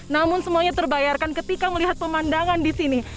namun semuanya terbayarkan ketika melihat pemandangan di sini